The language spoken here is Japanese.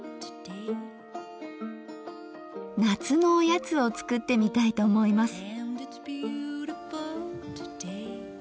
夏のおやつを作ってみたいと思います。